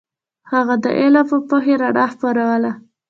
هغه د علم او پوهې رڼا خپروله.